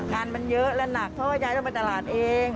งานมันเยอะและหนักเพราะว่ายายต้องไปตลาดเอง